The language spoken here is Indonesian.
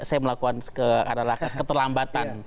saya melakukan keterlambatan